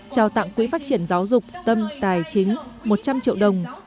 trao tặng quỹ phát triển giáo dục tâm tài chính một trăm linh triệu đồng